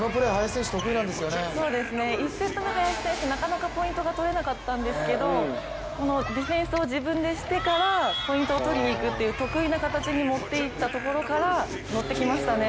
１セット目、林選手、なかなかポイント取れなかったんですけれどもディフェンスを自分でしてからポイントを取りに行くっていう得意な形に持っていったところから、ノッてきましたね。